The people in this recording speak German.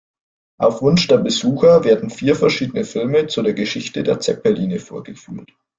Auf Wunsch der Besucher werden vier verschiedene Filme zu der Geschichte der Zeppeline vorgeführt.